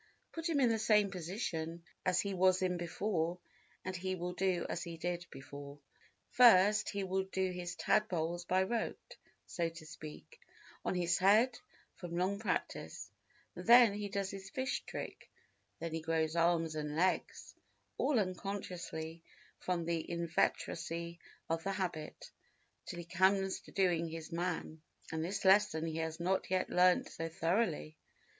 Put him in the same position as he was in before and he will do as he did before. First he will do his tadpoles by rote, so to speak, on his head, from long practice; then he does his fish trick; then he grows arms and legs, all unconsciously from the inveteracy of the habit, till he comes to doing his man, and this lesson he has not yet learnt so thoroughly.